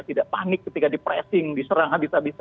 tidak panik ketika di pressing diserang habis habisan